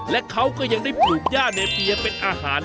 และเขาก็ยังได้ปลูกญาติในสี่ยังเป็นอาหาร